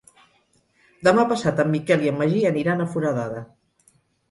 Demà passat en Miquel i en Magí aniran a Foradada.